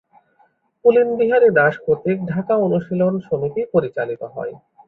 পুলিনবিহারী দাস কর্তৃক ঢাকা অনুশীলন সমিতি পরিচালিত হয়।